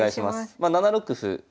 まあ７六歩。